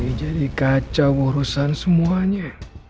ini jadi kaca urusan semuanya